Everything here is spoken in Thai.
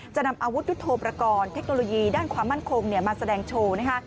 จะนำอาวุธยุทธโปรกรณ์เทคโนโลยีด้านความมั่นคงมาแสดงโชว์นะคะ